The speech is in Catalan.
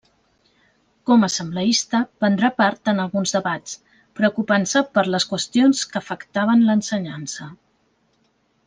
Com assembleista prendrà part en alguns debats, preocupant-se per les qüestions que afectaven l’ensenyança.